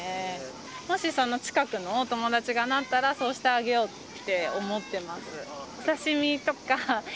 もしその近くのお友達がなったら、そうしてあげようって思ってます。